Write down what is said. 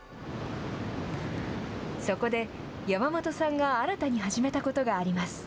そこで、山本さんが新たに始めたことがあります。